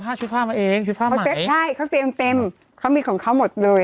ชุดผ้ามาเองชุดผ้ามาเซ็ตใช่เขาเตรียมเต็มเขามีของเขาหมดเลย